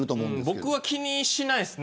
僕は気にしないです。